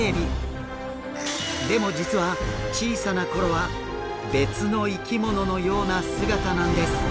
でも実は小さな頃は別の生き物のような姿なんです。